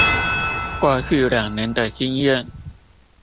過去兩年的經驗